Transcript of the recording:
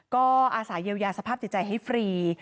ก็อาศัยเยียวยาสภาพจิตใจให้ฟรี